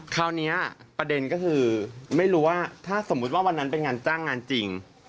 คราวนี้ประเด็นก็คือไม่รู้ว่าถ้าสมมุติว่าวันนั้นเป็นงานจ้างงานจริง